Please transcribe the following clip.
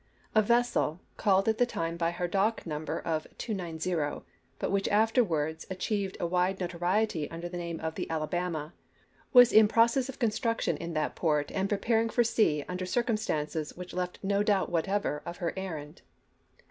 A vessel, called at the time by her dock number of "290," but which after wards achieved a wide notoriety under the name of the Alabama, was in process of construction in that port and preparing for sea under circum stances which left no doubt whatever of her er rand.